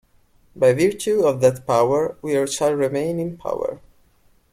By virtue of that power we shall remain in power.